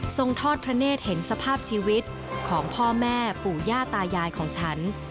ทอดพระเนธเห็นสภาพชีวิตของพ่อแม่ปู่ย่าตายายของฉัน